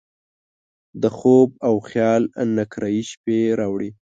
د خوب او خیال نقرهيي شپې راوړي